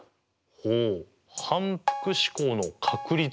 ほう反復試行の確率？